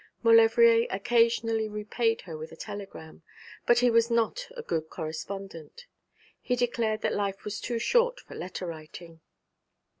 Maulevrier occasionally repaid her with a telegram; but he was not a good correspondent. He declared that life was too short for letter writing.